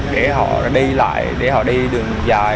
để họ đi lại để họ đi đường dài